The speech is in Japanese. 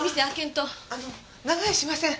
あの長居しません。